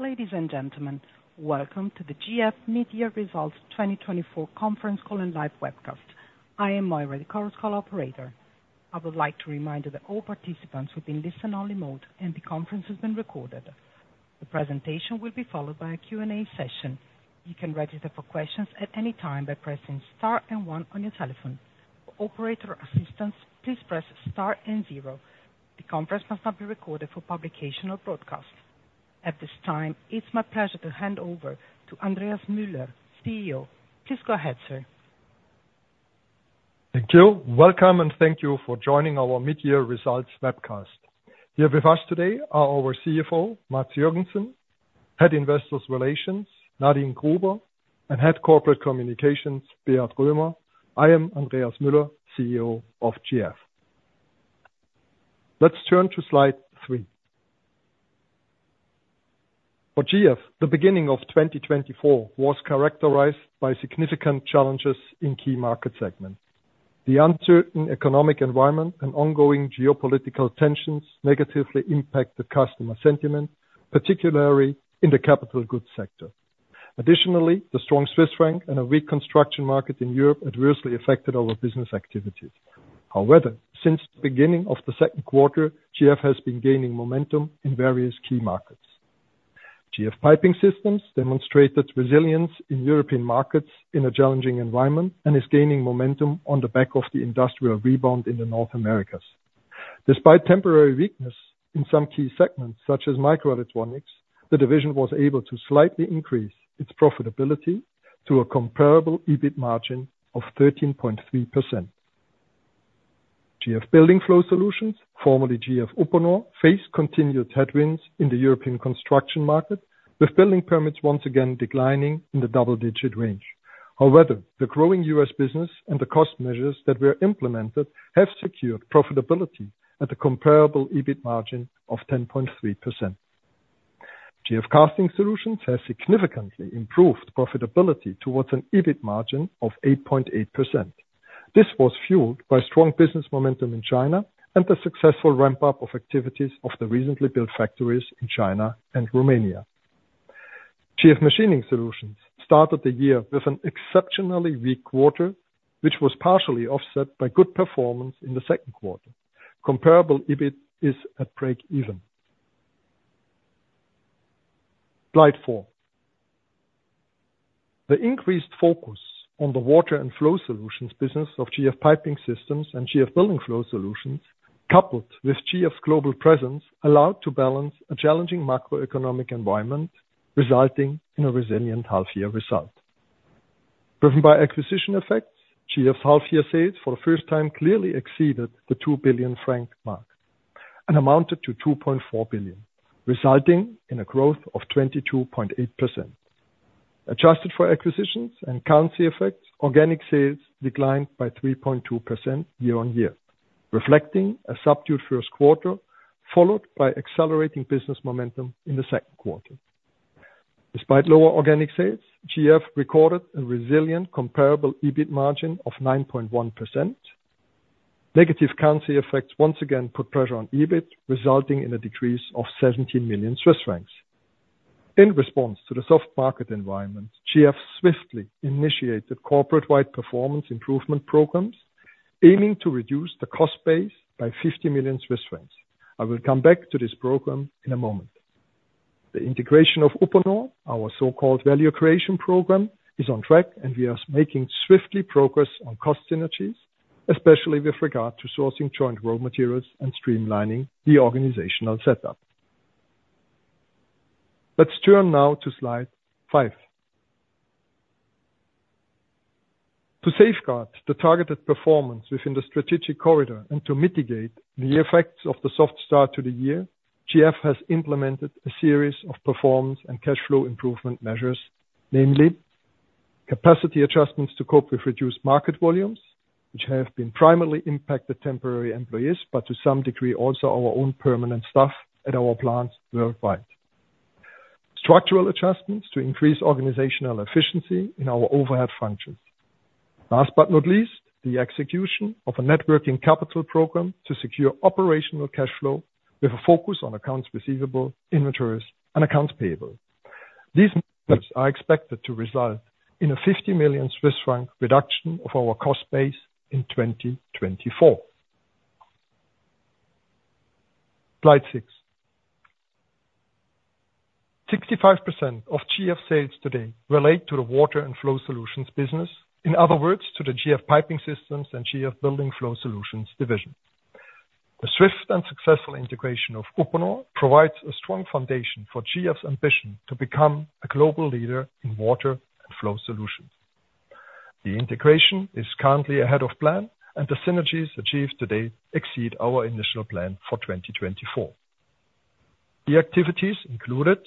Ladies and gentlemen, welcome to the GF Mid-Year Results 2024 conference call and live webcast. I am Moira, the call operator. I would like to remind you that all participants will be in listen-only mode, and the conference is being recorded. The presentation will be followed by a Q&A session. You can register for questions at any time by pressing star and One on your telephone. For operator assistance, please press star and zero. The conference must not be recorded for publication or broadcast. At this time, it's my pleasure to hand over to Andreas Müller, CEO. Please go ahead, sir. Thank you. Welcome, and thank you for joining our mid-year results webcast. Here with us today are our CFO, Mads Joergensen, Head of Investor Relations, Nadine Gruber, and Head of Corporate Communications, Beat Römer. I am Andreas Müller, CEO of GF. Let's turn to slide 3. For GF, the beginning of 2024 was characterized by significant challenges in key market segments. The uncertain economic environment and ongoing geopolitical tensions negatively impacted customer sentiment, particularly in the capital goods sector. Additionally, the strong Swiss franc and a weak construction market in Europe adversely affected our business activities. However, since the beginning of the Q2, GF has been gaining momentum in various key markets. GF Piping Systems demonstrated resilience in European markets in a challenging environment and is gaining momentum on the back of the industrial rebound in North America. Despite temporary weakness in some key segments, such as microelectronics, the division was able to slightly increase its profitability to a comparable EBIT margin of 13.3%. GF Building Flow Solutions, formerly GF Uponor, faced continued headwinds in the European construction market, with building permits once again declining in the double-digit range. However, the growing U.S. business and the cost measures that were implemented have secured profitability at a comparable EBIT margin of 10.3%. GF Casting Solutions has significantly improved profitability towards an EBIT margin of 8.8%. This was fueled by strong business momentum in China and the successful ramp-up of activities of the recently built factories in China and Romania. GF Machining Solutions started the year with an exceptionally weak quarter, which was partially offset by good performance in the Q2. Comparable EBIT is at break even. Slide four. The increased focus on the water and flow solutions business of GF Piping Systems and GF Building Flow Solutions, coupled with GF's global presence, allowed to balance a challenging macroeconomic environment, resulting in a resilient half-year result. Driven by acquisition effects, GF's half-year sales for the first time clearly exceeded the 2 billion franc mark and amounted to 2.4 billion CHF, resulting in a growth of 22.8%. Adjusted for acquisitions and currency effects, organic sales declined by 3.2% year-on-year, reflecting a subdued Q1, followed by accelerating business momentum in the Q2. Despite lower organic sales, GF recorded a resilient comparable EBIT margin of 9.1%. Negative currency effects once again put pressure on EBIT, resulting in a decrease of 17 million Swiss francs. In response to the soft market environment, GF swiftly initiated corporate-wide performance improvement programs, aiming to reduce the cost base by 50 million Swiss francs. I will come back to this program in a moment. The integration of Uponor, our so-called value creation program, is on track, and we are making swift progress on cost synergies, especially with regard to sourcing joint raw materials and streamlining the organizational setup. Let's turn now to slide 5. To safeguard the targeted performance within the strategic corridor and to mitigate the effects of the soft start to the year, GF has implemented a series of performance and cash flow improvement measures, namely, capacity adjustments to cope with reduced market volumes, which have been primarily impacted temporary employees, but to some degree, also our own permanent staff at our plants worldwide. Structural adjustments to increase organizational efficiency in our overhead functions. Last but not least, the execution of a net working capital program to secure operational cash flow with a focus on accounts receivable, inventories, and accounts payable. These measures are expected to result in a 50 million Swiss franc reduction of our cost base in 2024. Slide 6. 65% of GF sales today relate to the water and flow solutions business, in other words, to the GF Piping Systems and GF Building Flow Solutions divisions. The swift and successful integration of Uponor provides a strong foundation for GF's ambition to become a global leader in water and flow solutions. The integration is currently ahead of plan, and the synergies achieved today exceed our initial plan for 2024. The activities included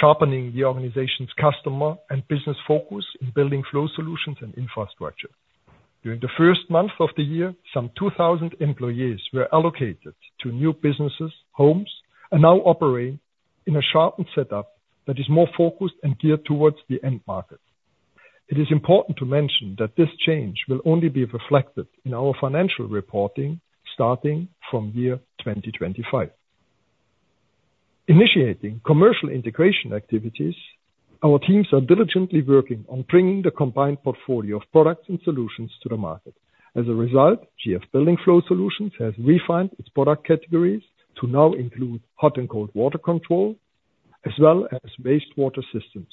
sharpening the organization's customer and business focus in building flow solutions and infrastructure. During the first month of the year, some 2,000 employees were allocated to new businesses, homes, and now operate in a sharpened setup that is more focused and geared towards the end market. It is important to mention that this change will only be reflected in our financial reporting starting from year 2025. Initiating commercial integration activities, our teams are diligently working on bringing the combined portfolio of products and solutions to the market. As a result, GF Building Flow Solutions has refined its product categories to now include hot and cold water control, as well as wastewater systems.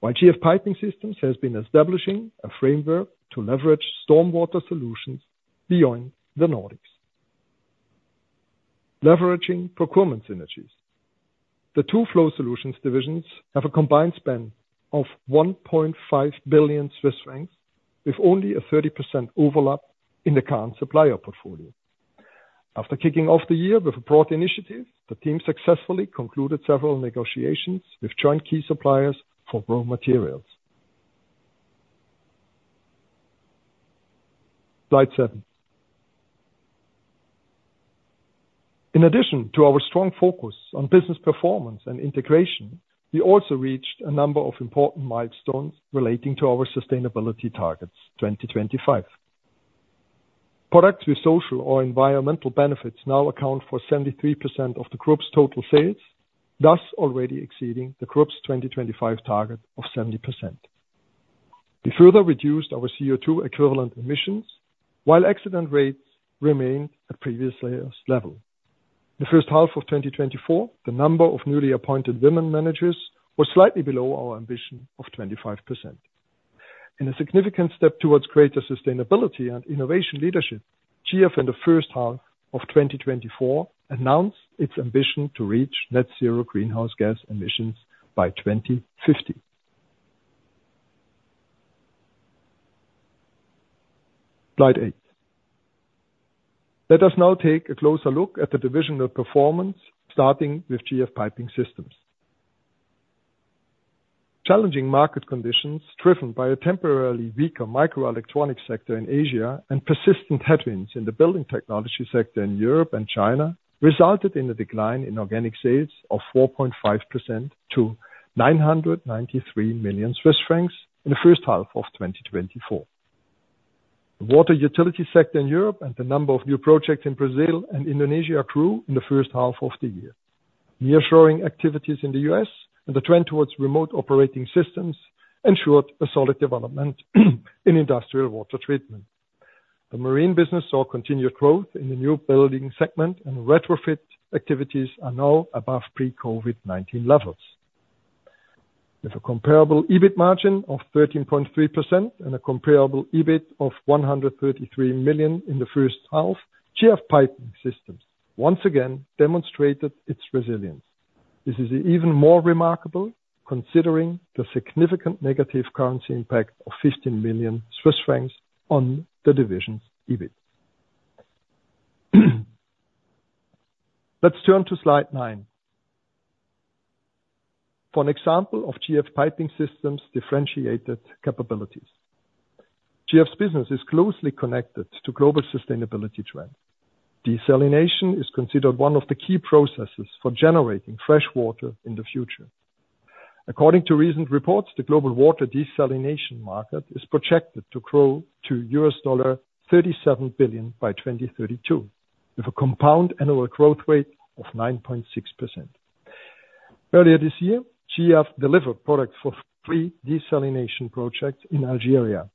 While GF Piping Systems has been establishing a framework to leverage stormwater solutions beyond the Nordics. Leveraging procurement synergies. The two flow solutions divisions have a combined spend of 1.5 billion Swiss francs, with only a 30% overlap in the current supplier portfolio. After kicking off the year with a broad initiative, the team successfully concluded several negotiations with joint key suppliers for raw materials. Slide 7. In addition to our strong focus on business performance and integration, we also reached a number of important milestones relating to our sustainability targets, 2025. Products with social or environmental benefits now account for 73% of the group's total sales, thus already exceeding the group's 2025 target of 70%. We further reduced our CO₂ equivalent emissions, while accident rates remained at previous lowest level. In the first half of 2024, the number of newly appointed women managers was slightly below our ambition of 25%. In a significant step towards greater sustainability and innovation leadership, GF in the first half of 2024, announced its ambition to reach net zero greenhouse gas emissions by 2050. Slide 8. Let us now take a closer look at the divisional performance, starting with GF Piping Systems. Challenging market conditions, driven by a temporarily weaker microelectronic sector in Asia, and persistent headwinds in the building technology sector in Europe and China, resulted in a decline in organic sales of 4.5% to 993 million Swiss francs in the first half of 2024. The water utility sector in Europe and the number of new projects in Brazil and Indonesia grew in the first half of the year. Nearshoring activities in the US and the trend towards remote operating systems ensured a solid development in industrial water treatment. The marine business saw continued growth in the new building segment, and retrofit activities are now above pre-COVID-19 levels. With a comparable EBIT margin of 13.3% and a comparable EBIT of 133 million in the first half, GF Piping Systems once again demonstrated its resilience. This is even more remarkable, considering the significant negative currency impact of 15 million Swiss francs on the division's EBIT. Let's turn to slide 9 for an example of GF Piping Systems' differentiated capabilities. GF's business is closely connected to global sustainability trends. Desalination is considered one of the key processes for generating fresh water in the future. According to recent reports, the global water desalination market is projected to grow to $37 billion by 2032, with a compound annual growth rate of 9.6%. Earlier this year, GF delivered products for three desalination projects in Algeria,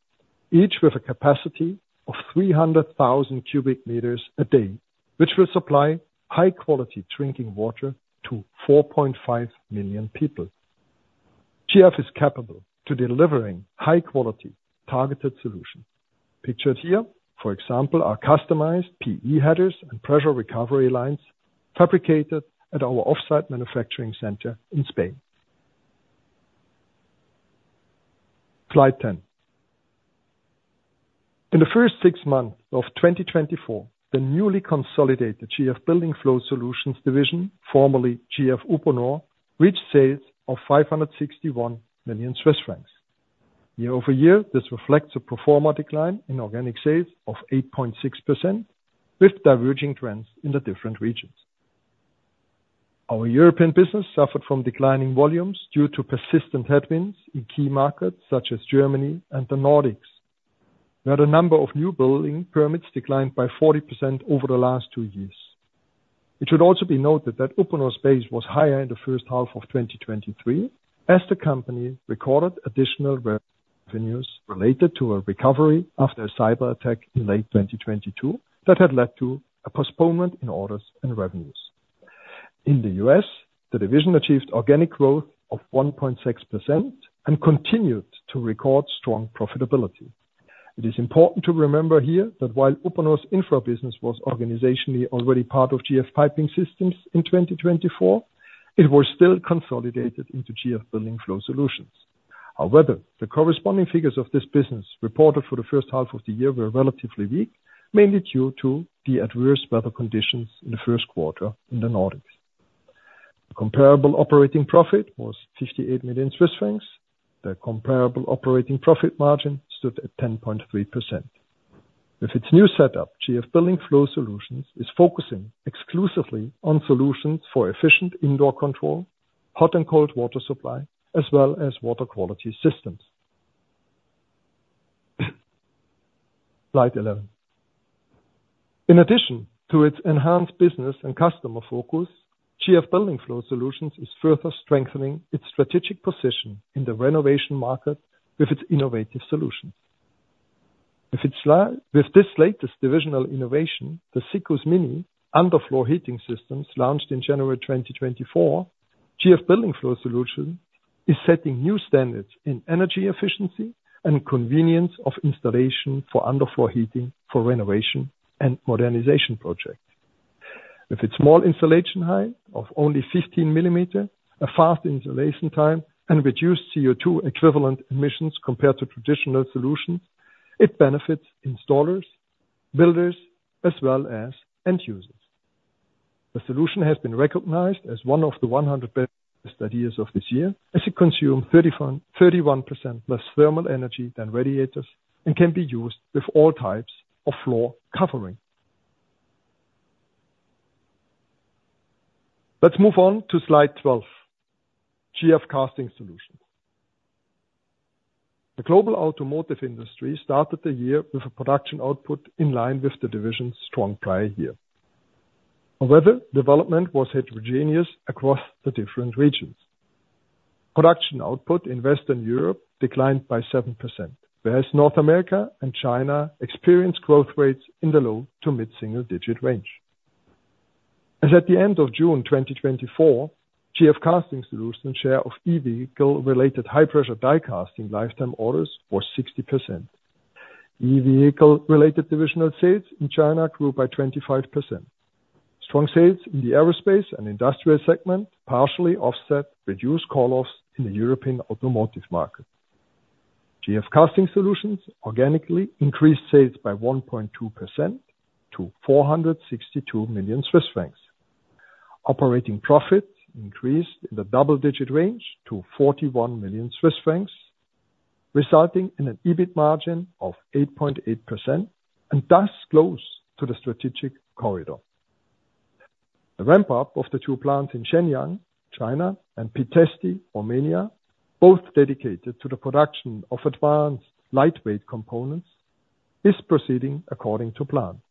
each with a capacity of 300,000 cubic meters a day, which will supply high quality drinking water to 4.5 million people. GF is capable to delivering high quality, targeted solutions. Pictured here, for example, are customized PE headers and pressure recovery lines fabricated at our off-site manufacturing center in Spain. Slide ten. In the first six months of 2024, the newly consolidated GF Building Flow Solutions division, formerly GF Uponor, reached sales of 561 million Swiss francs. Year-over-year, this reflects a pro forma decline in organic sales of 8.6%, with diverging trends in the different regions. Our European business suffered from declining volumes due to persistent headwinds in key markets, such as Germany and the Nordics, where the number of new building permits declined by 40% over the last two years. It should also be noted that Uponor's base was higher in the first half of 2023, as the company recorded additional revenues related to a recovery after a cyberattack in late 2022, that had led to a postponement in orders and revenues. In the U.S., the division achieved organic growth of 1.6% and continued to record strong profitability. It is important to remember here that while Uponor's infra business was organizationally already part of GF Piping Systems in 2024, it was still consolidated into GF Building Flow Solutions. However, the corresponding figures of this business, reported for the first half of the year, were relatively weak, mainly due to the adverse weather conditions in the Q1 in the Nordics. Comparable operating profit was 58 million Swiss francs. The comparable operating profit margin stood at 10.3%. With its new setup, GF Building Flow Solutions is focusing exclusively on solutions for efficient indoor control, hot and cold water supply, as well as water quality systems. Slide eleven. In addition to its enhanced business and customer focus, GF Building Flow Solutions is further strengthening its strategic position in the renovation market with its innovative solutions. With this latest divisional innovation, the Siccus Mini underfloor heating systems, launched in January 2024, GF Building Flow Solutions is setting new standards in energy efficiency and convenience of installation for underfloor heating for renovation and modernization projects. With its small installation height of only 15 millimeters, a fast installation time, and reduced CO2 equivalent emissions compared to traditional solutions, it benefits installers, builders, as well as end users. The solution has been recognized as one of the 100 best ideas of this year, as it consumes 31% less thermal energy than radiators and can be used with all types of floor covering. Let's move on to slide 12: GF Casting Solutions. The global automotive industry started the year with a production output in line with the division's strong prior year. However, development was heterogeneous across the different regions. Production output in Western Europe declined by 7%, whereas North America and China experienced growth rates in the low to mid-single digit range. As at the end of June 2024, GF Casting Solutions share of e-vehicle related high-pressure die casting lifetime orders was 60%. E-vehicle related divisional sales in China grew by 25%. Strong sales in the aerospace and industrial segment partially offset reduced call-offs in the European automotive market. GF Casting Solutions organically increased sales by 1.2% to 462 million Swiss francs. Operating profit increased in the double-digit range to 41 million Swiss francs, resulting in an EBIT margin of 8.8%, and thus close to the strategic corridor. The ramp-up of the two plants in Shenyang, China, and Pitești, Romania, both dedicated to the production of advanced lightweight components, is proceeding according to plan.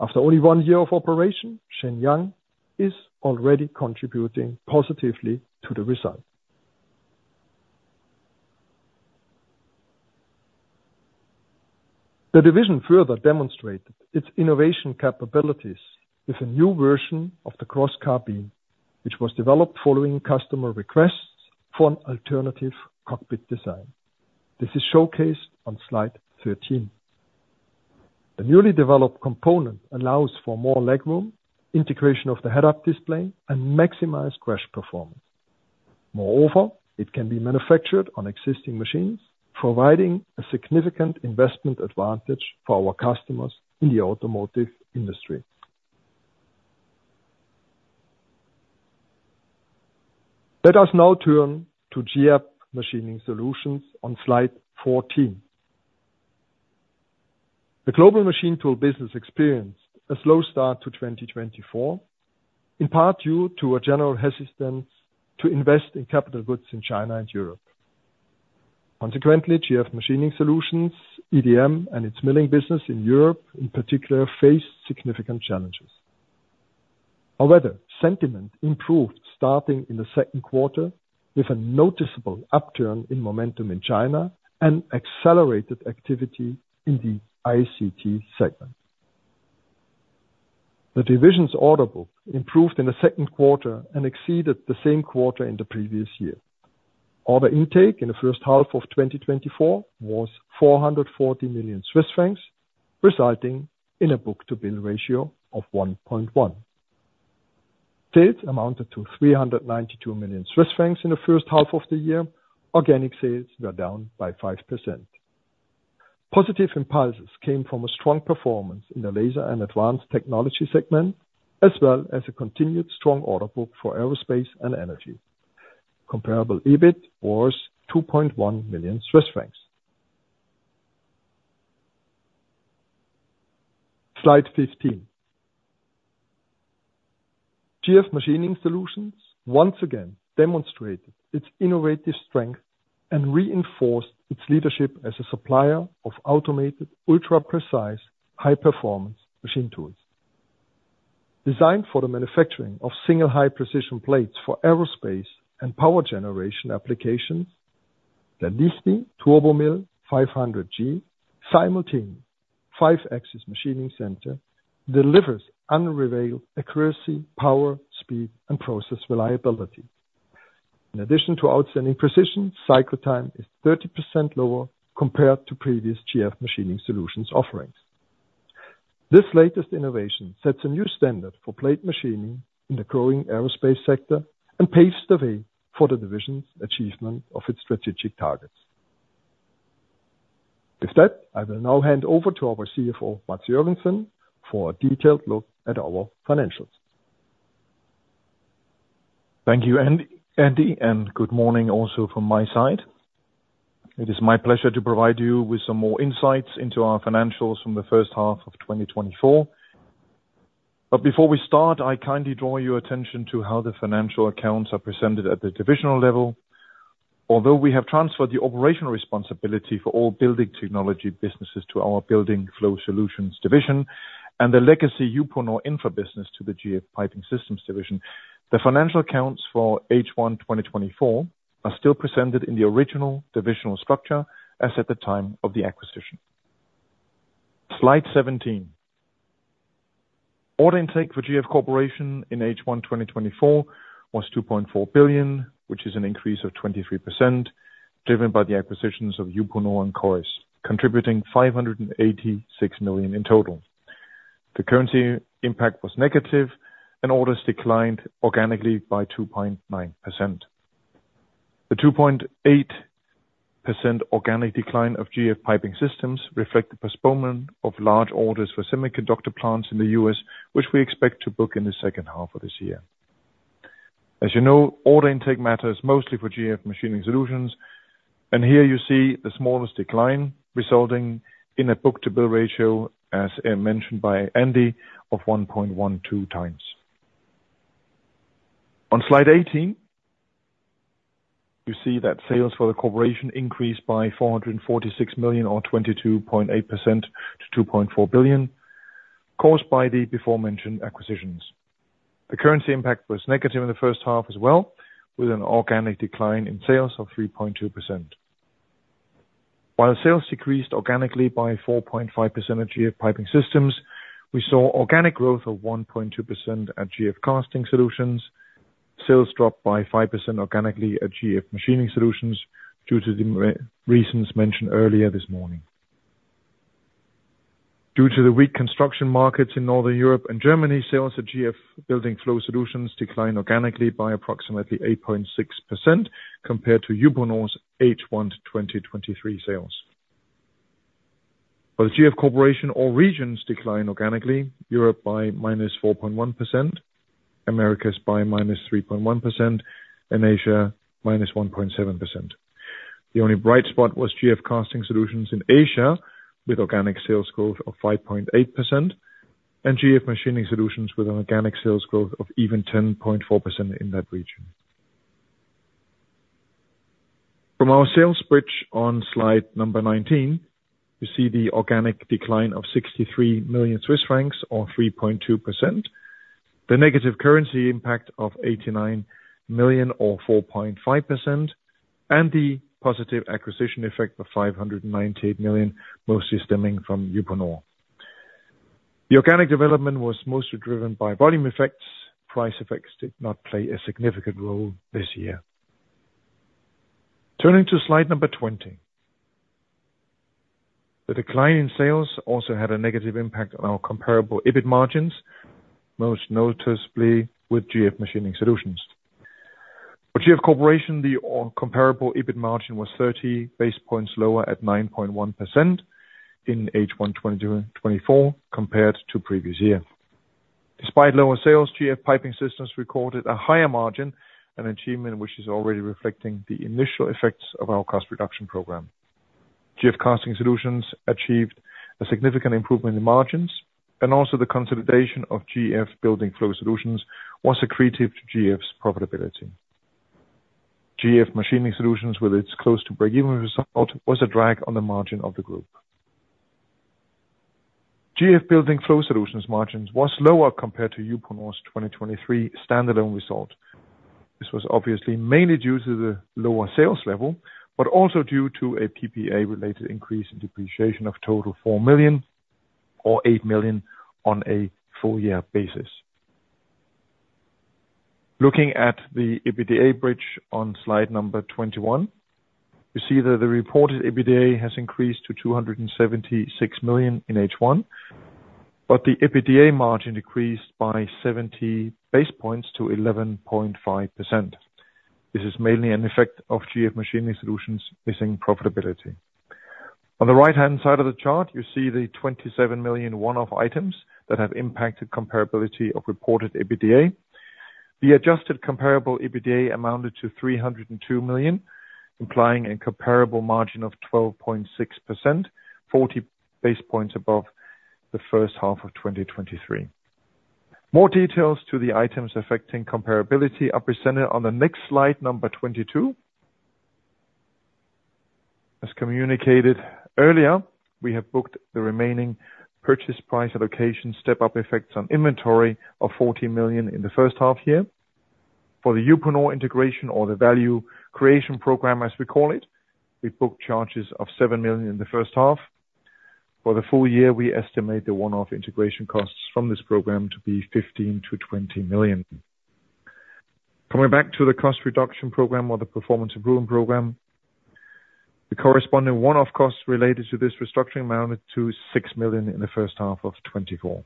After only one year of operation, Shenyang is already contributing positively to the result. The division further demonstrated its innovation capabilities with a new version of the cross-car beam, which was developed following customer requests for an alternative cockpit design. This is showcased on slide 13. The newly developed component allows for more legroom, integration of the head-up display, and maximized crash performance. Moreover, it can be manufactured on existing machines, providing a significant investment advantage for our customers in the automotive industry. Let us now turn to GF Machining Solutions on slide 14. The global machine tool business experienced a slow start to 2024, in part due to a general hesitance to invest in capital goods in China and Europe. Consequently, GF Machining Solutions, EDM, and its milling business in Europe in particular, faced significant challenges. However, sentiment improved starting in the Q2, with a noticeable upturn in momentum in China and accelerated activity in the ICT segment. The division's order book improved in the Q2 and exceeded the same quarter in the previous year. Order intake in the first half of 2024 was 440 million Swiss francs, resulting in a book-to-bill ratio of 1.1. Sales amounted to 392 million Swiss francs in the first half of the year. Organic sales were down by 5%. Positive impulses came from a strong performance in the laser and advanced technology segment, as well as a continued strong order book for aerospace and energy. Comparable EBIT was CHF 2.1 million. Slide 15. GF Machining Solutions once again demonstrated its innovative strength and reinforced its leadership as a supplier of automated, ultra-precise, high-performance machine tools. Designed for the manufacturing of single high-precision plates for aerospace and power generation applications, the Liechti Turbomill 500 g simultaneous five-axis machining center delivers unrivaled accuracy, power, speed, and process reliability. In addition to outstanding precision, cycle time is 30% lower compared to previous GF Machining Solutions offerings. This latest innovation sets a new standard for plate machining in the growing aerospace sector and paves the way for the division's achievement of its strategic targets. With that, I will now hand over to our CFO, Mads Joergensen, for a detailed look at our financials.... Thank you, Andy, and good morning also from my side. It is my pleasure to provide you with some more insights into our financials from the first half of 2024. But before we start, I kindly draw your attention to how the financial accounts are presented at the divisional level. Although we have transferred the operational responsibility for all building technology businesses to our Building Flow Solutions division, and the legacy Uponor Infra business to the GF Piping Systems division, the financial accounts for H1 2024 are still presented in the original divisional structure as at the time of the acquisition. Slide 17. Order intake for GF Corporation in H1 2024 was 2.4 billion, which is an increase of 23%, driven by the acquisitions of Uponor and Corys, contributing 586 million in total. The currency impact was negative, and orders declined organically by 2.9%. The 2.8% organic decline of GF Piping Systems reflect the postponement of large orders for semiconductor plants in the U.S., which we expect to book in the second half of this year. As you know, order intake matters mostly for GF Machining Solutions, and here you see the smallest decline, resulting in a book-to-bill ratio, as mentioned by Andy, of 1.12 times. On slide 18, you see that sales for the corporation increased by 446 million, or 22.8% to 2.4 billion, caused by the beforementioned acquisitions. The currency impact was negative in the first half as well, with an organic decline in sales of 3.2%. While sales decreased organically by 4.5% at GF Piping Systems, we saw organic growth of 1.2% at GF Casting Solutions. Sales dropped by 5% organically at GF Machining Solutions due to the reasons mentioned earlier this morning. Due to the weak construction markets in Northern Europe and Germany, sales at GF Building Flow Solutions declined organically by approximately 8.6% compared to Uponor's H1 2023 sales. For the GF Corporation, all regions decline organically, Europe by -4.1%, Americas by -3.1%, and Asia, -1.7%. The only bright spot was GF Casting Solutions in Asia, with organic sales growth of 5.8%, and GF Machining Solutions, with an organic sales growth of even 10.4% in that region. From our sales bridge on slide number 19, you see the organic decline of 63 million Swiss francs, or 3.2%, the negative currency impact of 89 million, or 4.5%, and the positive acquisition effect of 598 million, mostly stemming from Uponor. The organic development was mostly driven by volume effects. Price effects did not play a significant role this year. Turning to slide number 20. The decline in sales also had a negative impact on our comparable EBIT margins, most noticeably with GF Machining Solutions. For GF, the overall comparable EBIT margin was 30 basis points lower at 9.1% in H1 2024, compared to previous year. Despite lower sales, GF Piping Systems recorded a higher margin, an achievement which is already reflecting the initial effects of our cost reduction program. GF Casting Solutions achieved a significant improvement in margins, and also the consolidation of GF Building Flow Solutions was accretive to GF's profitability. GF Machining Solutions, with its close to break-even result, was a drag on the margin of the group. GF Building Flow Solutions margins was lower compared to Uponor's 2023 stand-alone result. This was obviously mainly due to the lower sales level, but also due to a PPA-related increase in depreciation of total 4 million, or 8 million on a full year basis. Looking at the EBITDA bridge on slide 21, you see that the reported EBITDA has increased to 276 million in H1, but the EBITDA margin decreased by 70 basis points to 11.5%. This is mainly an effect of GF Machining Solutions missing profitability. On the right-hand side of the chart, you see the 27 million one-off items that have impacted comparability of reported EBITDA. The adjusted comparable EBITDA amounted to 302 million, implying a comparable margin of 12.6%, 40 basis points above the first half of 2023. More details to the items affecting comparability are presented on the next slide, number 22. As communicated earlier, we have booked the remaining purchase price allocation step-up effects on inventory of 40 million in the first half year. For the Uponor integration, or the value creation program, as we call it, we booked charges of 7 million in the first half. For the full year, we estimate the one-off integration costs from this program to be 15-20 million. Coming back to the cost reduction program or the performance improvement program, the corresponding one-off costs related to this restructuring amounted to 6 million in the first half of 2024.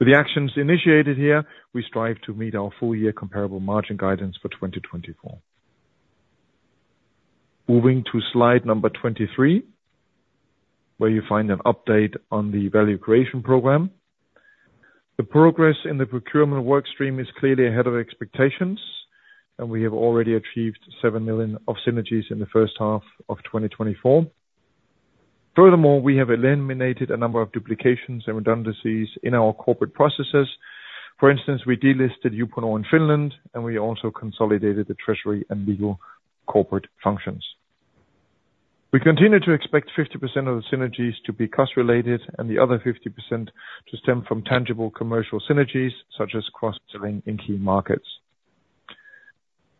With the actions initiated here, we strive to meet our full year comparable margin guidance for 2024. Moving to slide number 23, where you find an update on the value creation program. The progress in the procurement work stream is clearly ahead of expectations, and we have already achieved 7 million of synergies in the first half of 2024. Furthermore, we have eliminated a number of duplications and redundancies in our corporate processes. For instance, we delisted Uponor in Finland, and we also consolidated the treasury and legal corporate functions. We continue to expect 50% of the synergies to be cost related, and the other 50% to stem from tangible commercial synergies, such as cross-selling in key markets.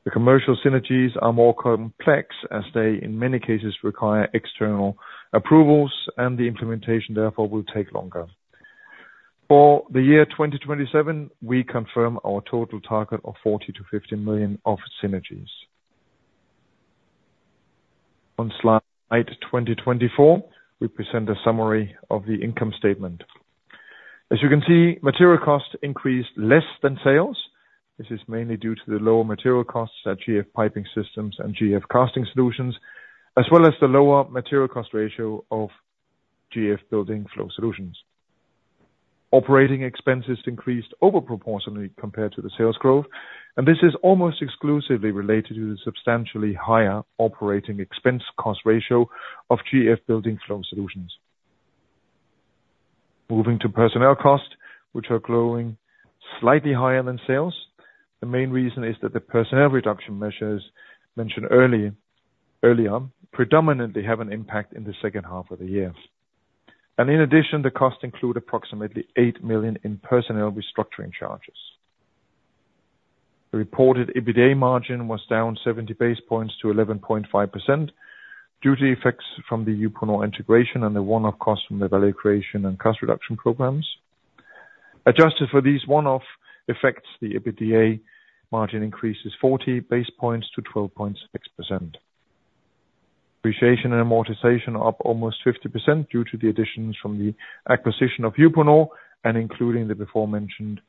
The commercial synergies are more complex as they, in many cases, require external approvals, and the implementation, therefore, will take longer. For the year 2027, we confirm our total target of 40-50 million of synergies. On slide 24, we present a summary of the income statement. As you can see, material costs increased less than sales. This is mainly due to the lower material costs at GF Piping Systems and GF Casting Solutions, as well as the lower material cost ratio of GF Building Flow Solutions. Operating expenses increased over proportionally compared to the sales growth, and this is almost exclusively related to the substantially higher operating expense cost ratio of GF Building Flow Solutions. Moving to personnel costs, which are growing slightly higher than sales. The main reason is that the personnel reduction measures mentioned early, earlier on, predominantly have an impact in the second half of the year. In addition, the costs include approximately 8 million in personnel restructuring charges. The reported EBITDA margin was down 70 basis points to 11.5%, due to effects from the Uponor integration and the one-off costs from the value creation and cost reduction programs. Adjusted for these one-off effects, the EBITDA margin increases 40 basis points to 12.6%. Depreciation and amortization are up almost 50%, due to the additions from the acquisition of Uponor and including the aforementioned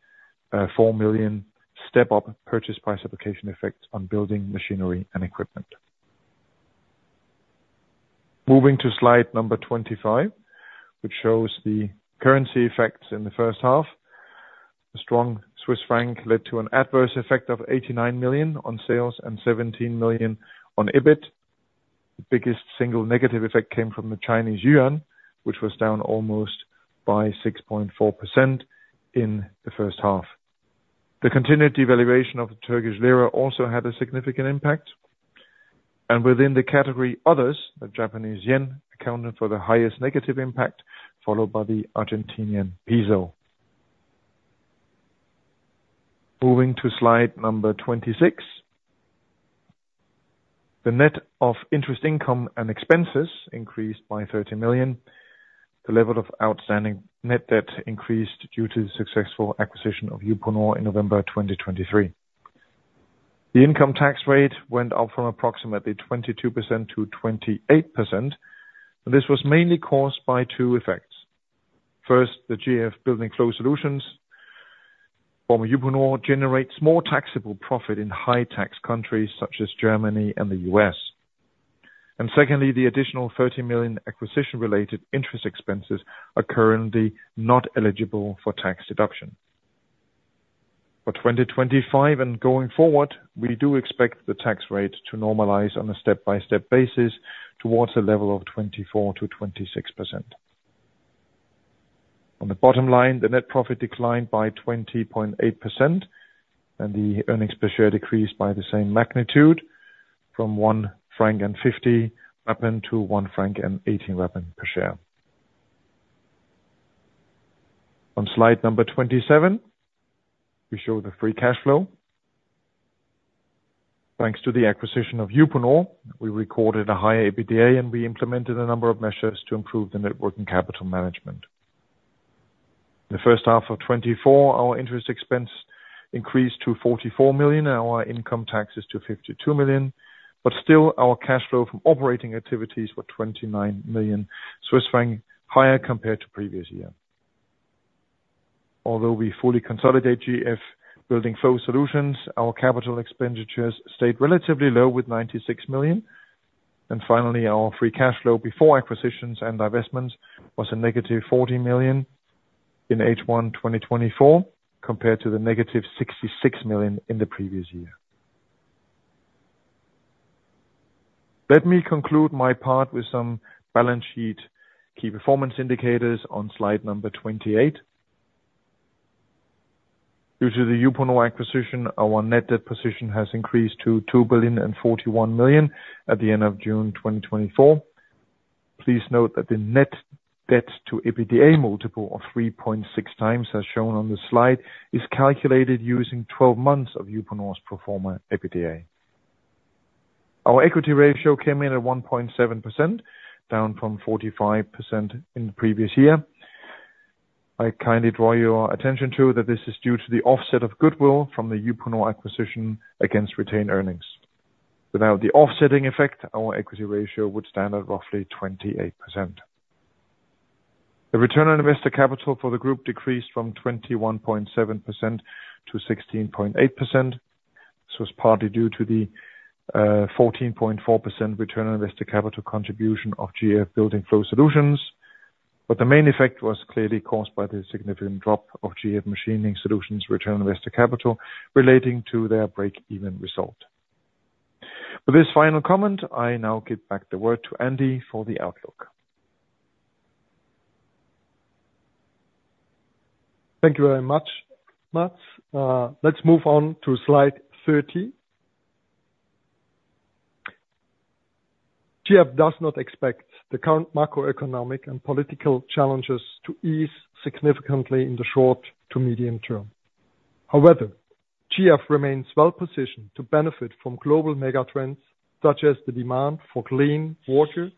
4 million step-up purchase price allocation effects on building machinery and equipment. Moving to slide 25, which shows the currency effects in the first half. The strong Swiss franc led to an adverse effect of 89 million on sales and 17 million on EBIT. The biggest single negative effect came from the Chinese yuan, which was down almost by 6.4% in the first half. The continued devaluation of the Turkish lira also had a significant impact, and within the category others, the Japanese yen accounted for the highest negative impact, followed by the Argentinian peso. Moving to slide number 26. The net of interest income and expenses increased by 30 million. The level of outstanding net debt increased due to the successful acquisition of Uponor in November 2023. The income tax rate went up from approximately 22% to 28%, and this was mainly caused by two effects. First, the GF Building Flow Solutions, former Uponor, generates more taxable profit in high tax countries such as Germany and the U.S. And secondly, the additional 30 million acquisition-related interest expenses are currently not eligible for tax deduction. For 2025 and going forward, we do expect the tax rate to normalize on a step-by-step basis towards a level of 24%-26%. On the bottom line, the net profit declined by 20.8%, and the earnings per share decreased by the same magnitude from 1.50 franc to 1.18 franc per share. On slide 27, we show the free cash flow. Thanks to the acquisition of Uponor, we recorded a higher EBITDA, and we implemented a number of measures to improve the net working capital management. the first half of 2024, our interest expense increased to 44 million and our income taxes to 52 million, but still our cash flow from operating activities were 29 million Swiss franc higher compared to previous year. Although we fully consolidate GF Building Flow Solutions, our capital expenditures stayed relatively low, with 96 million. And finally, our free cash flow before acquisitions and divestments was -40 million in H1 2024, compared to the -66 million in the previous year. Let me conclude my part with some balance sheet key performance indicators on slide number 28. Due to the Uponor acquisition, our net debt position has increased to 2,041 million at the end of June 2024. Please note that the net debt to EBITDA multiple of 3.6x, as shown on the slide, is calculated using 12 months of Uponor's pro forma EBITDA. Our equity ratio came in at 1.7%, down from 45% in the previous year. I kindly draw your attention to that this is due to the offset of goodwill from the Uponor acquisition against retained earnings. Without the offsetting effect, our equity ratio would stand at roughly 28%.... The return on invested capital for the group decreased from 21.7% to 16.8%. This was partly due to the 14.4% return on invested capital contribution of GF Building Flow Solutions, but the main effect was clearly caused by the significant drop of GF Machining Solutions' return on invested capital relating to their break-even result. With this final comment, I now give back the word to Andy for the outlook. Thank you very much, Mads. Let's move on to slide 30. GF does not expect the current macroeconomic and political challenges to ease significantly in the short to medium term. However, GF remains well positioned to benefit from global mega trends, such as the demand for clean water,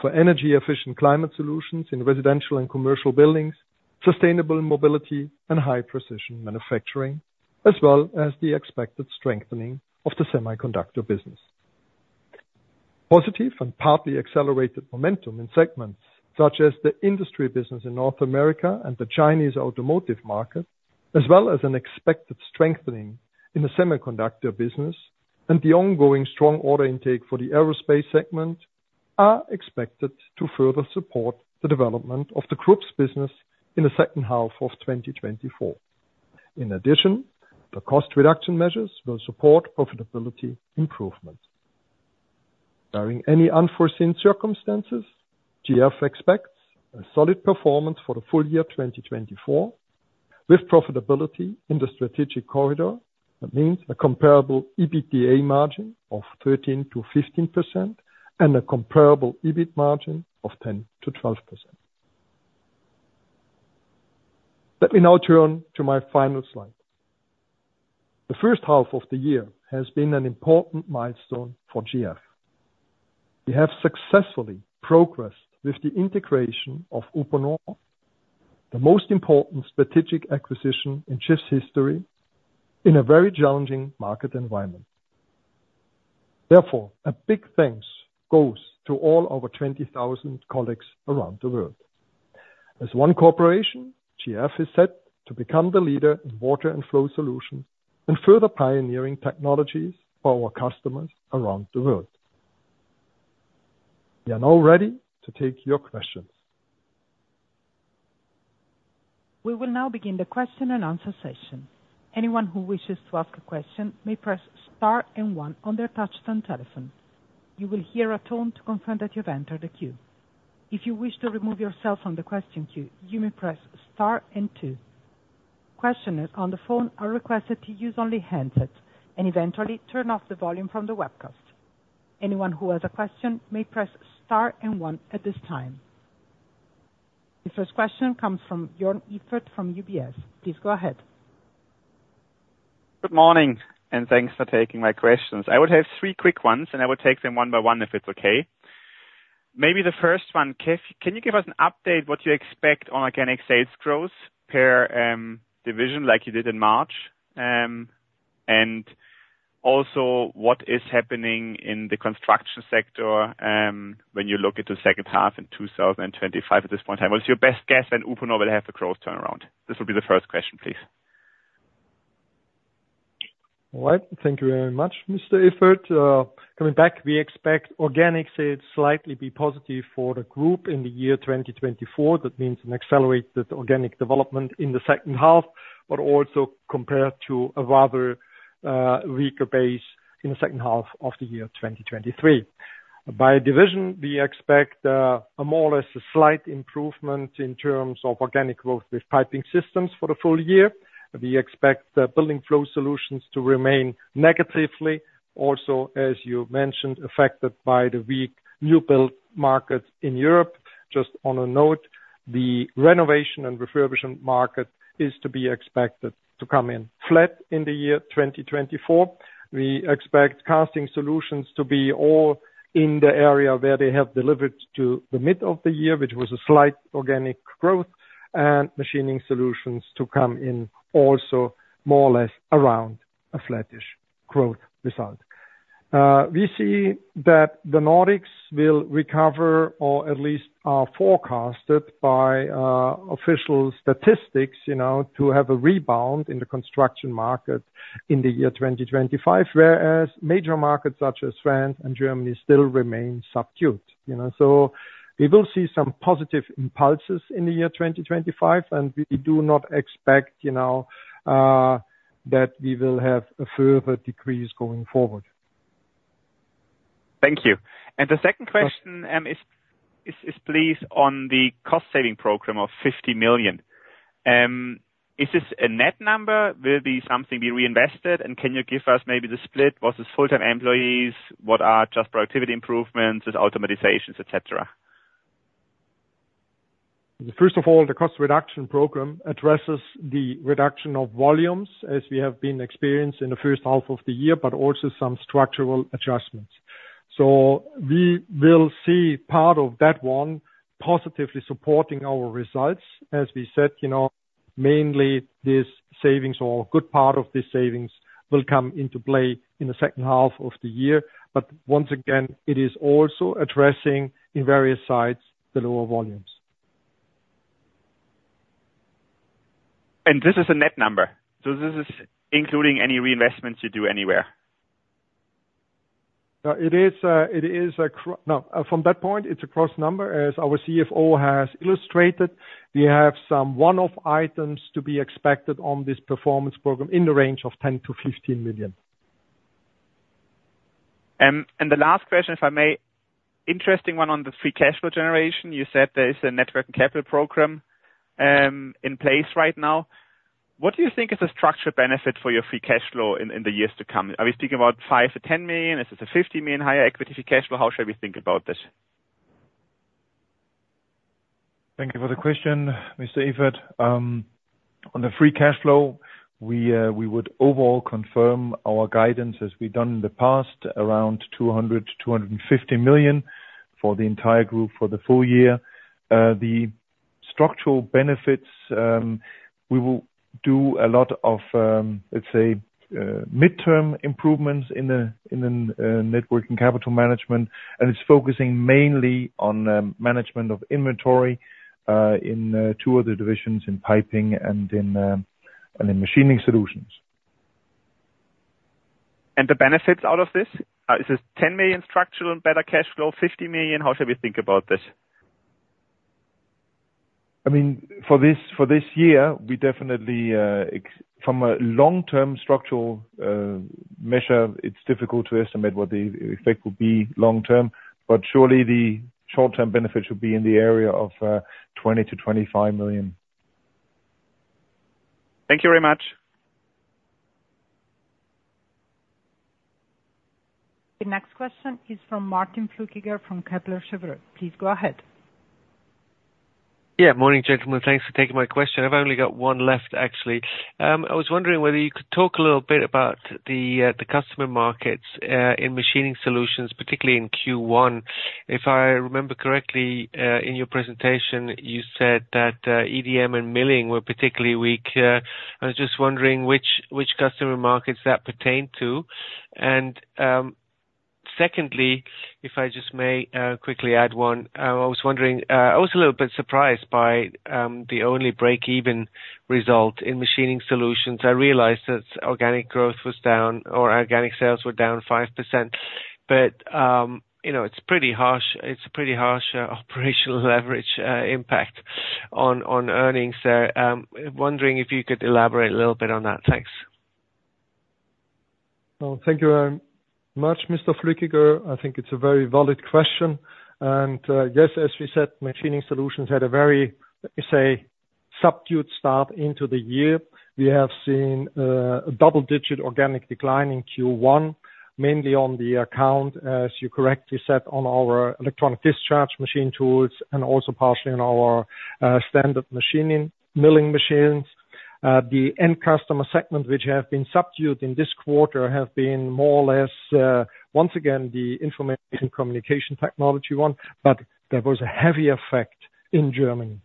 for energy efficient climate solutions in residential and commercial buildings, sustainable mobility and high precision manufacturing, as well as the expected strengthening of the semiconductor business. Positive and partly accelerated momentum in segments such as the industry business in North America and the Chinese automotive market, as well as an expected strengthening in the semiconductor business and the ongoing strong order intake for the aerospace segment, are expected to further support the development of the group's business in the second half of 2024. In addition, the cost reduction measures will support profitability improvements. Barring any unforeseen circumstances, GF expects a solid performance for the full year 2024, with profitability in the strategic corridor. That means a comparable EBITDA margin of 13%-15% and a comparable EBIT margin of 10%-12%. Let me now turn to my final slide. The first half of the year has been an important milestone for GF. We have successfully progressed with the integration of Uponor, the most important strategic acquisition in GF's history, in a very challenging market environment. Therefore, a big thanks goes to all our 20,000 colleagues around the world. As one corporation, GF is set to become the leader in water and flow solutions and further pioneering technologies for our customers around the world. We are now ready to take your questions. We will now begin the question and answer session. Anyone who wishes to ask a question may press star and one on their touchtone telephone. You will hear a tone to confirm that you've entered the queue. If you wish to remove yourself from the question queue, you may press star and two. Questioners on the phone are requested to use only handsets and eventually turn off the volume from the webcast. Anyone who has a question may press star and one at this time. The first question comes from Jörn Iffert from UBS. Please go ahead. Good morning, and thanks for taking my questions. I would have three quick ones, and I would take them one by one, if it's okay. Maybe the first one, can you give us an update what you expect on organic sales growth per division like you did in March? And also, what is happening in the construction sector, when you look at the second half in 2025 at this point in time? What's your best guess, and Uponor will have the growth turnaround? This will be the first question, please. All right. Thank you very much, Mr. Iffert. Coming back, we expect organic sales slightly be positive for the group in the year 2024. That means an accelerated organic development in the second half, but also compared to a rather, weaker base in the second half of the year 2023. By division, we expect, a more or less a slight improvement in terms of organic growth with piping systems for the full year. We expect, building flow solutions to remain negatively, also, as you mentioned, affected by the weak new build markets in Europe. Just on a note, the renovation and refurbishment market is to be expected to come in flat in the year 2024. We expect casting solutions to be all in the area where they have delivered to the mid of the year, which was a slight organic growth, and machining solutions to come in also more or less around a flattish growth result. We see that the Nordics will recover, or at least are forecasted by official statistics, you know, to have a rebound in the construction market in the year 2025, whereas major markets such as France and Germany still remain subdued, you know? So we will see some positive impulses in the year 2025, and we do not expect, you know, that we will have a further decrease going forward. Thank you. The second question is, please, on the cost-saving program of 50 million. Is this a net number? Will be something be reinvested, and can you give us maybe the split versus full-time employees? What are just productivity improvements, is automation, et cetera? First of all, the cost reduction program addresses the reduction of volumes as we have been experienced in the first half of the year, but also some structural adjustments. So we will see part of that one positively supporting our results, as we said, you know, mainly these savings or a good part of these savings will come into play in the second half of the year. But once again, it is also addressing, in various sides, the lower volumes. This is a net number, so this is including any reinvestments you do anywhere? From that point, it's a cross number. As our CFO has illustrated, we have some one-off items to be expected on this performance program in the range of 10 million-15 million. The last question, if I may, interesting one on the free cash flow generation. You said there is a net working capital program in place right now. What do you think is a structural benefit for your free cash flow in the years to come? Are we speaking about 5-10 million? Is it a 50 million higher free cash flow? How should we think about this? Thank you for the question, Mr. Evert. On the free cash flow, we, we would overall confirm our guidance as we've done in the past, around 200 million-250 million for the entire group for the full year. The structural benefits, we will do a lot of, let's say, midterm improvements in the, in the, net working capital management, and it's focusing mainly on, management of inventory, in, two other divisions, in Piping and in, and in Machining Solutions. The benefits out of this, is this 10 million structural and better cash flow, 50 million? How should we think about this? I mean, for this, for this year, we definitely. From a long-term structural measure, it's difficult to estimate what the effect will be long term, but surely the short-term benefit should be in the area of 20-25 million. Thank you very much. The next question is from Martin Flückiger from Kepler Cheuvreux. Please go ahead. Yeah. Morning, gentlemen. Thanks for taking my question. I've only got one left, actually. I was wondering whether you could talk a little bit about the the customer markets in machining solutions, particularly in Q1. If I remember correctly, in your presentation, you said that EDM and milling were particularly weak. I was just wondering which which customer markets that pertained to. And secondly, if I just may quickly add one. I was wondering I was a little bit surprised by the only break-even result in machining solutions. I realized that organic growth was down or organic sales were down 5%. But you know, it's pretty harsh. It's a pretty harsh operational leverage impact on earnings. So wondering if you could elaborate a little bit on that. Thanks. Well, thank you very much, Mr. Flückiger. I think it's a very valid question. And, yes, as we said, machining solutions had a very, let me say, subdued start into the year. We have seen a double-digit organic decline in Q1, mainly on the account, as you correctly said, on our electrical discharge machine tools, and also partially on our standard machining milling machines. The end customer segment, which have been subdued in this quarter, have been more or less, once again, the information and communication technology one, but there was a heavy effect in Germany.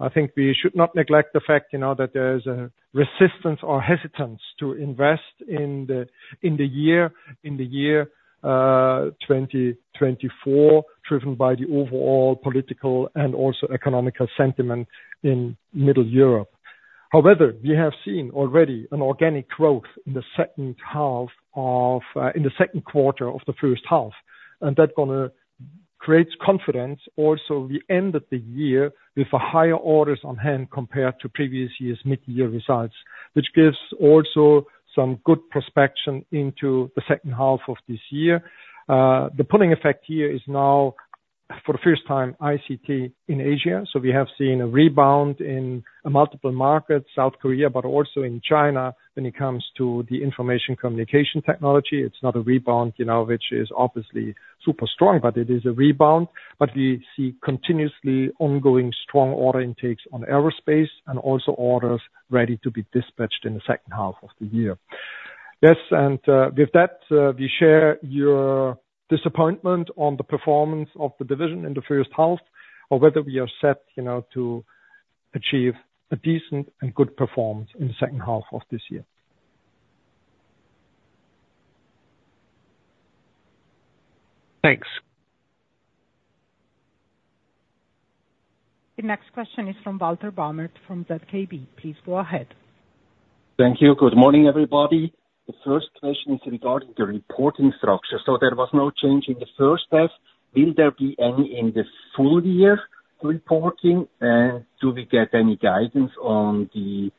I think we should not neglect the fact, you know, that there is a resistance or hesitance to invest in the year 2024, driven by the overall political and also economic sentiment in Middle Europe. However, we have seen already an organic growth in the second half of, in the Q2 of the first half, and that's going to create confidence. Also, we ended the year with a higher orders on hand compared to previous year's mid-year results, which gives also some good prospects into the second half of this year. The pulling effect here is now, for the first time, ICT in Asia. So we have seen a rebound in multiple markets, South Korea, but also in China when it comes to the information and communication technology. It's not a rebound, you know, which is obviously super strong, but it is a rebound. But we see continuously ongoing strong order intakes on aerospace and also orders ready to be dispatched in the second half of the year. Yes, and with that, we share your disappointment on the performance of the division in the first half, or whether we are set, you know, to achieve a decent and good performance in the second half of this year. Thanks. The next question is from Walter Bamert, from ZKB. Please go ahead. Thank you. Good morning, everybody. The first question is regarding the reporting structure. There was no change in the first half. Will there be any in the full year reporting? And do we get any guidance on the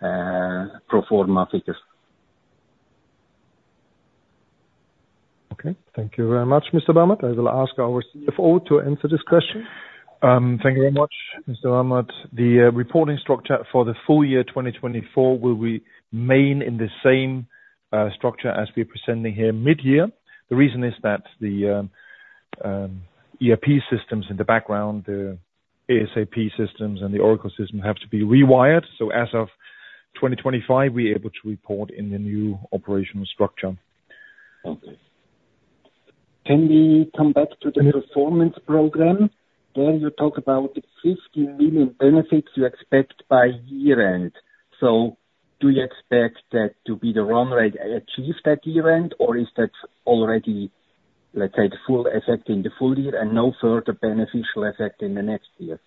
pro forma figures? Okay. Thank you very much, Mr. Bamert. I will ask our CFO to answer this question. Thank you very much, Mr. Bamert. The reporting structure for the full year, 2024, will remain in the same structure as we're presenting here mid-year. The reason is that the ERP systems in the background, the ASAP systems and the Oracle system, have to be rewired. So as of 2025, we're able to report in the new operational structure. Okay. Can we come back to the performance program? There you talk about the 50 million benefits you expect by year-end. So do you expect that to be the run rate achieved at year-end, or is that already, let's say, the full effect in the full year and no further beneficial effect in the next year?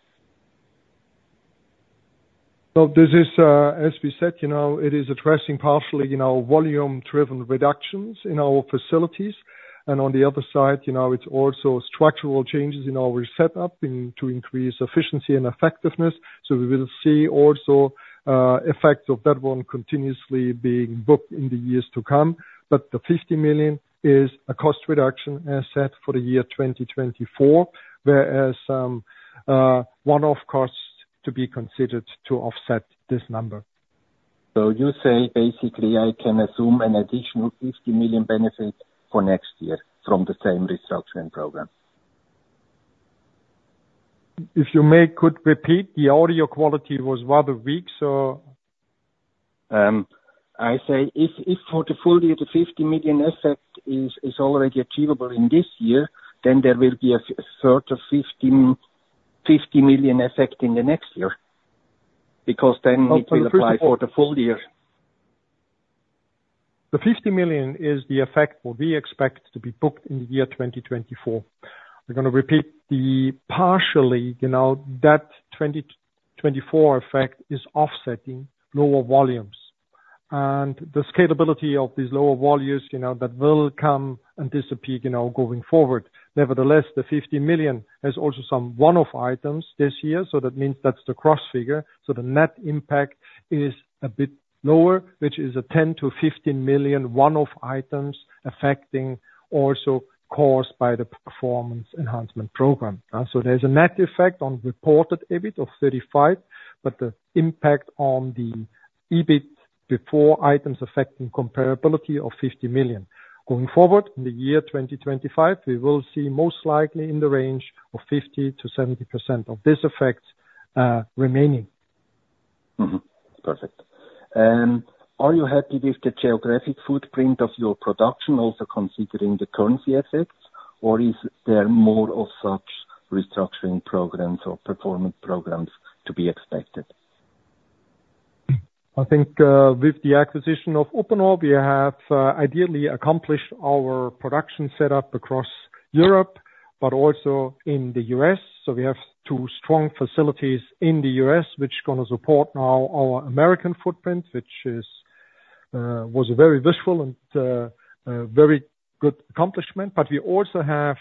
So this is, as we said, you know, it is addressing partially, you know, volume-driven reductions in our facilities, and on the other side, you know, it's also structural changes in our setup in, to increase efficiency and effectiveness. So we will see also, effects of that one continuously being booked in the years to come. But the 50 million is a cost reduction asset for the year 2024, whereas, one-off costs to be considered to offset this number. You say, basically, I can assume an additional 50 million benefit for next year from the same restructuring program? If you may, could repeat? The audio quality was rather weak, so. I say, if for the full year, the 50 million effect is already achievable in this year, then there will be a further 50 million effect in the next year, because then it will apply for the full year. The 50 million is the effect what we expect to be booked in the year 2024. We're gonna repeat the partially, you know, that 2024 effect is offsetting lower volumes. And the scalability of these lower volumes, you know, that will come and dissipate, you know, going forward. Nevertheless, the 50 million has also some one-off items this year, so that means that's the cross figure. So the net impact is a bit lower, which is a 10 million-15 million one-off items affecting also caused by the performance enhancement program. So there's a net effect on reported EBIT of 35 million, but the impact on the EBIT before items affecting comparability of 50 million. Going forward, in the year 2025, we will see most likely in the range of 50%-70% of this effect remaining. Mm-hmm. Perfect. Are you happy with the geographic footprint of your production, also considering the currency effects, or is there more of such restructuring programs or performance programs to be expected? I think, with the acquisition of Uponor, we have ideally accomplished our production setup across Europe, but also in the US. So we have 2 strong facilities in the US, which gonna support now our American footprint, which is, was very visceral and, very good accomplishment. But we also have,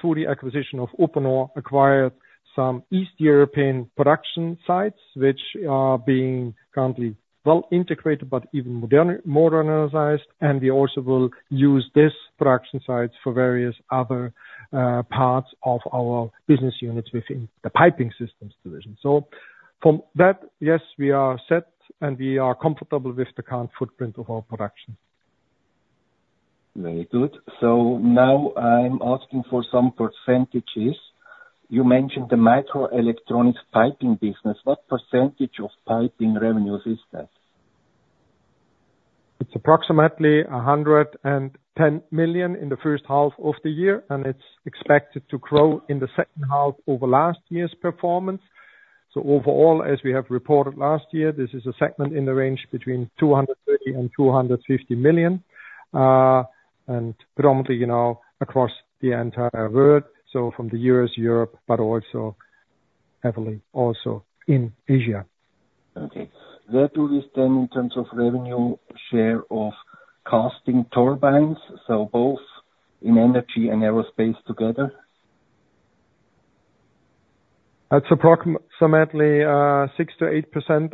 through the acquisition of Uponor, acquired some East European production sites, which are being currently well integrated, but even modernized. And we also will use this production sites for various other, parts of our business units within the piping systems division. So from that, yes, we are set, and we are comfortable with the current footprint of our production. Very good. So now I'm asking for some percentages. You mentioned the microelectronics piping business. What percentage of piping revenues is that? It's approximately 110 million in the first half of the year, and it's expected to grow in the second half over last year's performance. So overall, as we have reported last year, this is a segment in the range between 230 million and 250 million, and predominantly, you know, across the entire world, so from the U.S., Europe, but also heavily also in Asia. Okay. Where do we stand in terms of revenue share of casting turbines, so both in energy and aerospace together? That's approximately 6%-8%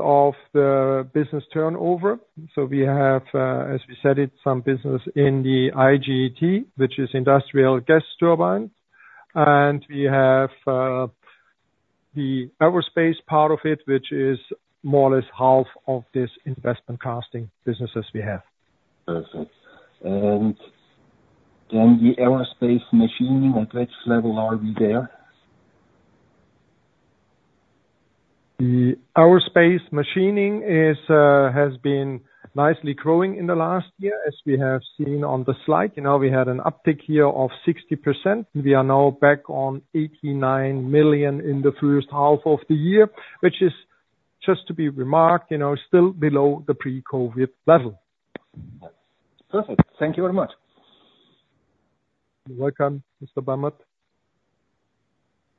of the business turnover. So we have, as we said, it some business in the IGT, which is Industrial Gas Turbine. And we have the aerospace part of it, which is more or less half of this investment casting businesses we have. Perfect. And then the aerospace machining, at which level are we there? The aerospace machining is, has been nicely growing in the last year, as we have seen on the slide. You know, we had an uptick here of 60%. We are now back on 89 million in the first half of the year, which is just to be remarked, you know, still below the pre-COVID level. Perfect. Thank you very much. You're welcome, Mr. Bamert.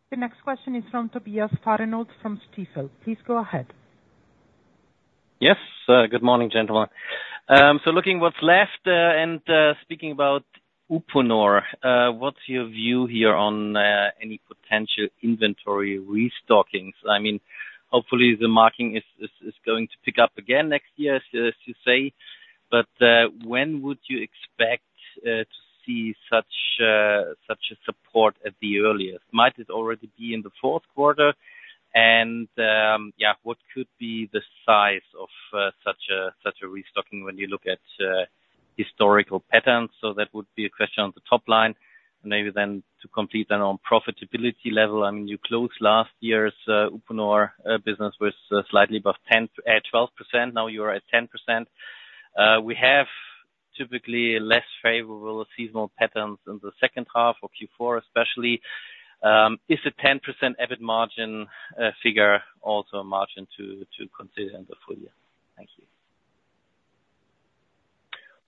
The next question is from Tobias Fahrenholz from Stifel. Please go ahead. Yes, good morning, gentlemen. So looking what's left, and speaking about Uponor, what's your view here on any potential inventory restocking? I mean, hopefully, the market is going to pick up again next year, as you say, but when would you expect to see such a support at the earliest? Might it already be in the Q4? And yeah, what could be the size of such a restocking when you look at historical patterns? So that would be a question on the top line, and maybe then to complete then on profitability level. I mean, you closed last year's Uponor business with slightly above 10, 12%. Now you are at 10%. We have typically a less favorable seasonal patterns in the second half of Q4, especially, is a 10% EBIT margin figure, also a margin to consider in the full year? Thank you.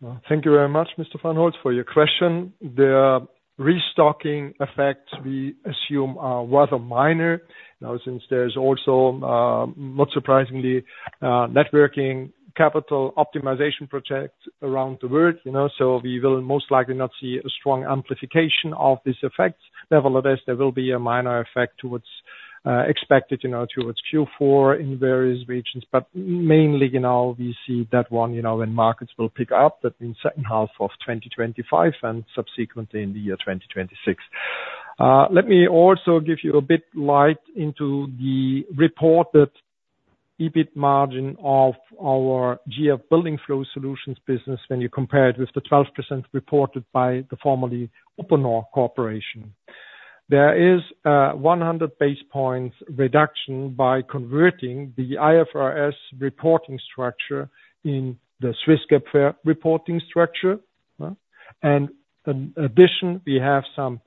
Well, thank you very much, Mr. Fahrenholz, for your question. The restocking effects, we assume, are rather minor. Now, since there's also, not surprisingly, net working capital optimization project around the world, you know, so we will most likely not see a strong amplification of this effect. Nevertheless, there will be a minor effect towards, expected, you know, towards Q4 in various regions. But mainly, you know, we see that one, you know, when markets will pick up, that in second half of 2025 and subsequently in the year 2026. Let me also give you a bit light into the reported EBIT margin of our GF Building Flow Solutions business when you compare it with the 12% reported by the formerly Uponor Corporation. There is 100 basis points reduction by converting the IFRS reporting structure in the Swiss GAAP FER reporting structure. And in addition, we have some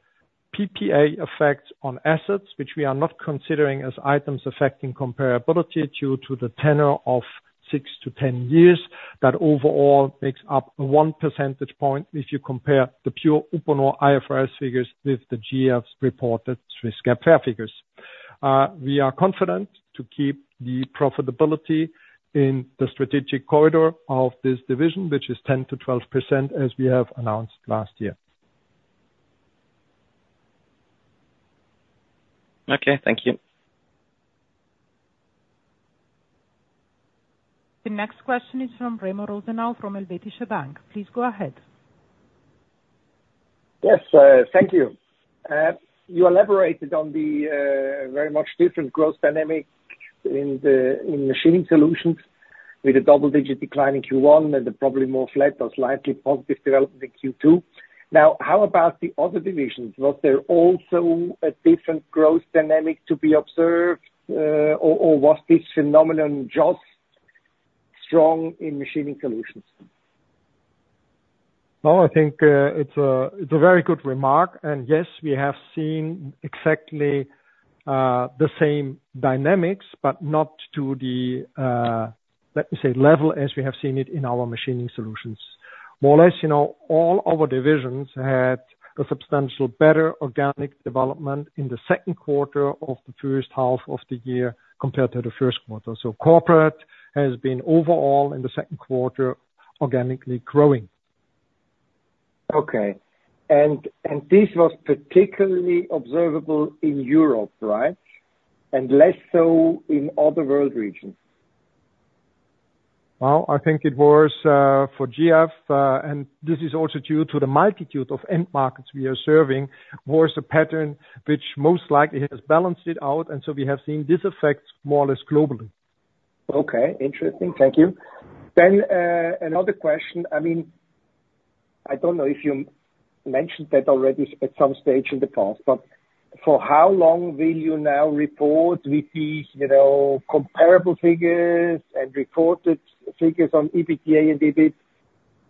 PPA effects on assets, which we are not considering as items affecting comparability due to the tenure of 6-10 years. That overall makes up 1 percentage point if you compare the pure Uponor IFRS figures with the GF's reported Swiss GAAP FER figures. We are confident to keep the profitability in the strategic corridor of this division, which is 10%-12%, as we have announced last year. Okay, thank you. The next question is from Remo Rosenau from Helvetia Bank. Please go ahead. Yes, thank you. You elaborated on the very much different growth dynamic in the in machining solutions with a double-digit decline in Q1 and probably more flat or slightly positive development in Q2. Now, how about the other divisions? Was there also a different growth dynamic to be observed, or was this phenomenon just strong in machining solutions? No, I think it's a very good remark, and yes, we have seen exactly the same dynamics, but not to the, let me say, level as we have seen it in our machining solutions. More or less, you know, all our divisions had a substantial, better organic development in the second quarter of the first half of the year, compared to the first quarter. So corporate has been overall, in the second quarter, organically growing. Okay. And this was particularly observable in Europe, right? And less so in other world regions. Well, I think it was for GF, and this is also due to the multitude of end markets we are serving, was a pattern which most likely has balanced it out, and so we have seen this effect more or less globally. Okay. Interesting. Thank you. Then, another question. I mean, I don't know if you mentioned that already at some stage in the past, but for how long will you now report with these, you know, comparable figures and reported figures on EBITDA and EBIT?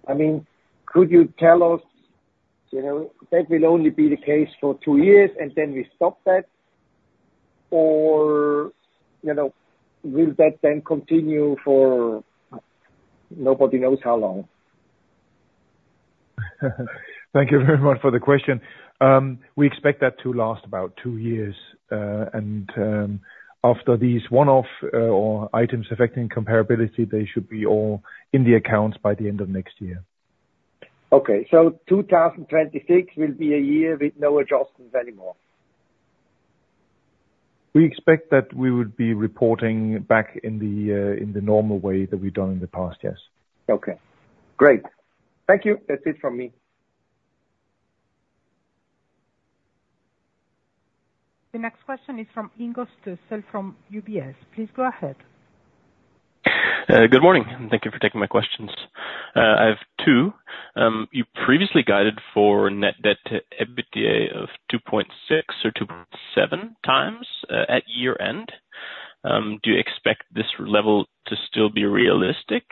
I mean, could you tell us, you know, that will only be the case for two years, and then we stop that? Or, you know, will that then continue for nobody knows how long? Thank you very much for the question. We expect that to last about two years. And after these one-off, or items affecting comparability, they should be all in the accounts by the end of next year. Okay, so 2026 will be a year with no adjustments anymore? We expect that we would be reporting back in the normal way that we've done in the past, yes. Okay, great. Thank you. That's it from me. The next question is from Ingo Stössel from UBS. Please go ahead. Good morning, and thank you for taking my questions. I have two. You previously guided for net debt to EBITDA of 2.6 or 2.7 times at year-end. Do you expect this level to still be realistic?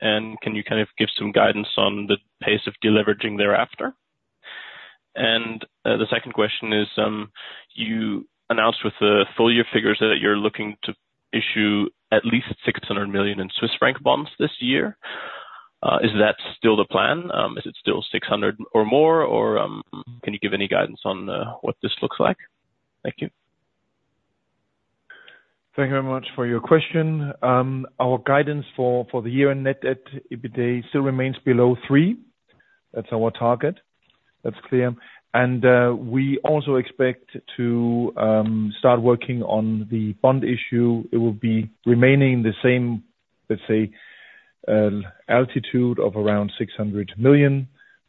And can you kind of give some guidance on the pace of deleveraging thereafter? The second question is, you announced with the full year figures that you're looking to issue at least 600 million in Swiss franc bonds this year. Is that still the plan? Is it still 600 or more, or can you give any guidance on what this looks like? Thank you. Thank you very much for your question. Our guidance for the year-end net debt, EBITDA, still remains below 3. That's our target. That's clear. And we also expect to start working on the bond issue. It will be remaining the same, let's say, amount of around 600 million,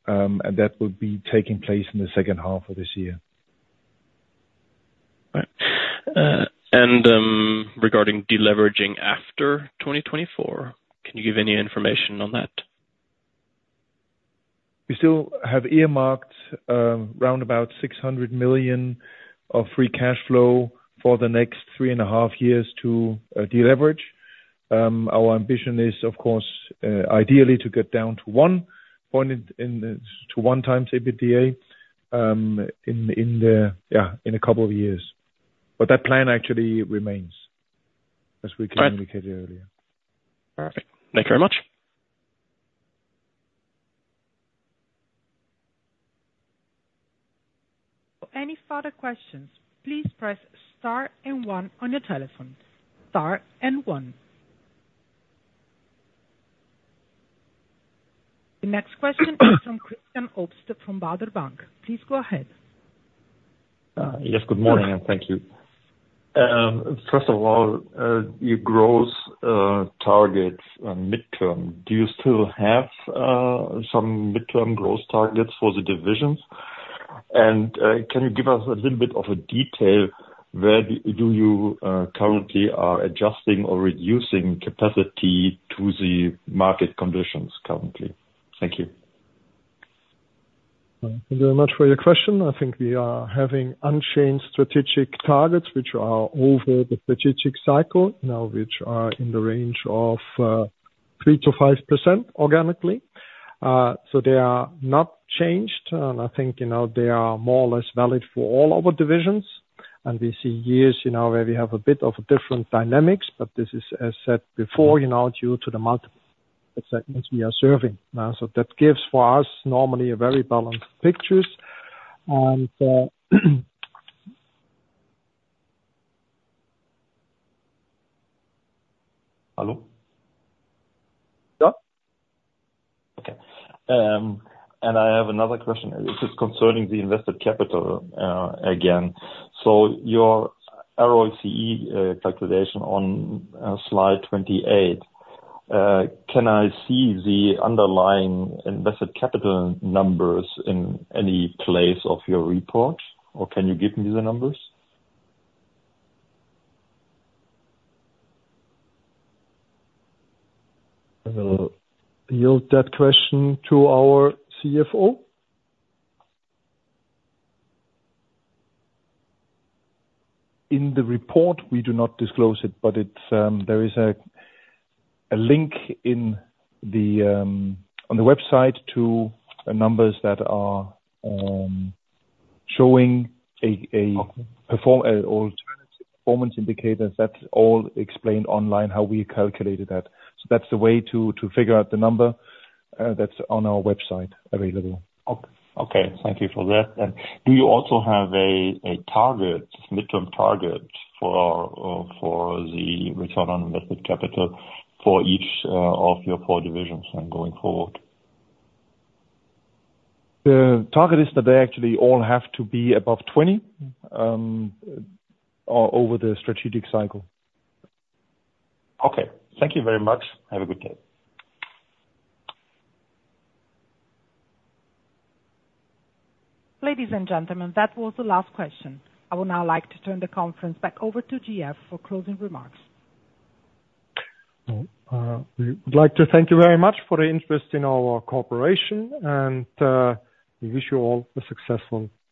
and that will be taking place in the second half of this year. Right. Regarding deleveraging after 2024, can you give any information on that? We still have earmarked around about 600 million of free cash flow for the next 3.5 years to deleverage. Our ambition is, of course, ideally to get down to 1x EBITDA in a couple of years. But that plan actually remains as we communicated earlier. All right. Thank you very much. Any further questions, please press star and one on your telephone. Star and one. The next question is from Christian Obst from Baader Bank. Please go ahead. Yes, good morning, and thank you. First of all, your growth targets and midterm. Do you still have some midterm growth targets for the divisions? Can you give us a little bit of a detail, where do you currently are adjusting or reducing capacity to the market conditions currently? Thank you. Thank you very much for your question. I think we are having unchanged strategic targets, which are over the strategic cycle now, which are in the range of 3%-5% organically. So they are not changed, and I think, you know, they are more or less valid for all our divisions. And we see years, you know, where we have a bit of different dynamics, but this is, as said before, you know, due to the market segments we are serving now. So that gives, for us, normally a very balanced pictures. And, Hello? Yeah. Okay. And I have another question. This is concerning the invested capital, again. So your ROCE calculation on slide 28, can I see the underlying invested capital numbers in any place of your report, or can you give me the numbers? I will yield that question to our CFO. In the report, we do not disclose it, but there is a link on the website to the numbers that are showing alternative performance indicators. That's all explained online, how we calculated that. So that's the way to figure out the number that's available on our website. Okay. Thank you for that. Do you also have a target, midterm target, for the return on invested capital for each of your four divisions then, going forward? The target is that they actually all have to be above 20, over the strategic cycle. Okay. Thank you very much. Have a good day. Ladies and gentlemen, that was the last question. I would now like to turn the conference back over to GF for closing remarks. Well, we would like to thank you very much for the interest in our corporation, and we wish you all a successful weekend.